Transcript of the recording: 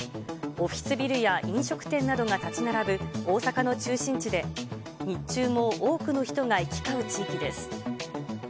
オフィスビルや飲食店などが建ち並ぶ、大阪の中心地で、日中も多くの人が行き交う地域です。